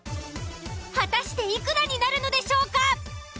果たしていくらになるのでしょうか。